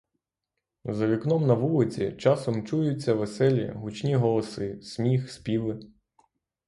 За вікном на вулиці часом чуються веселі, гучні голоси, сміх, співи.